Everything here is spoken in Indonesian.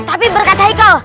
tapi berkat haikal